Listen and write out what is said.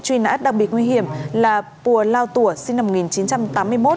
truy nã đặc biệt nguy hiểm là pùa lao tùa sinh năm một nghìn chín trăm tám mươi một